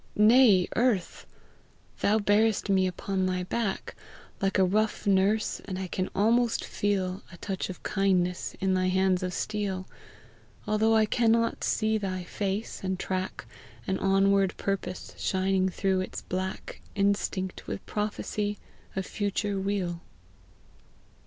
Nay, Earth! thou bearest me upon thy back, Like a rough nurse, and I can almost feel A touch of kindness in thy bands of steel, Although I cannot see thy face, and track An onward purpose shining through its black, Instinct with prophecy of future weal.